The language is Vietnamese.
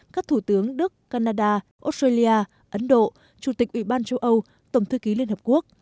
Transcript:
các thủ tướng đức canada australia ấn độ chủ tịch ủy ban châu âu tổng thư ký liên hợp quốc